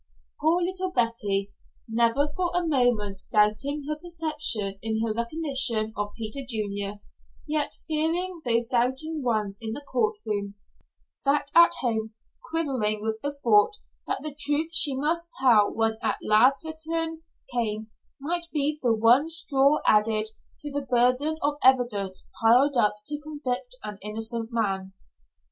Poor little Betty, never for a moment doubting her perception in her recognition of Peter Junior, yet fearing those doubting ones in the court room, sat at home, quivering with the thought that the truth she must tell when at last her turn came might be the one straw added to the burden of evidence piled up to convict an innocent man.